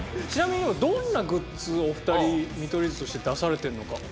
ちなみにどんなグッズをお二人見取り図として出されてるのか。